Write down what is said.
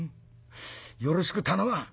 よろしく頼むわ」。